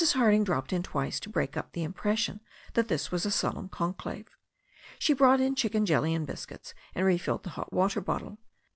Harding dropped in twice to break up the impres sion that this was a solemn conclave. She brought in chicken jelly and biscuits and refilled the hot water bottle.